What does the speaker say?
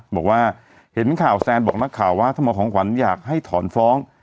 บอกว่าเห็นข่าวแซนบอกนักข่าวว่าถ้าหมอของขวัญอยากให้ถอนฟ้อง